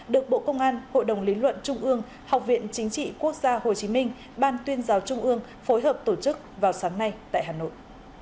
được bộ công an hội đồng lý luận trung ương học viện chính trị quốc gia hồ chí minh ban tuyên giáo trung ương phối hợp tổ chức vào sáng nay tại hà nội